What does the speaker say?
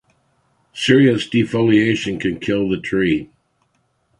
Serious defoliation can kill the tree.